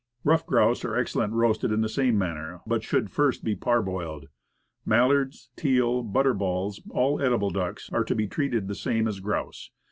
Ruffed grouse are excellent roasted in the same manner, but should first be parboiled. Mallards, teal, butterballs, all edible ducks, are to be treated the same as grouse.